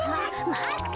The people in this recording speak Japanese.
まって！